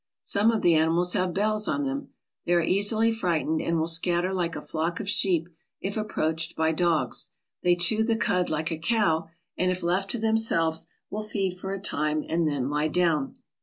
Some of the animals have bells on them. They are easily frightened and will scatter like a flock of sheep if approached by dogs. They chew the cud like a cow, and if left to themselves will feed for a time and then lie down."